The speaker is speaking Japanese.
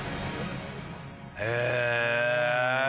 へえ。